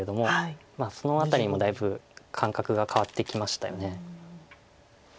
その辺りもだいぶ感覚が変わってきましたよね。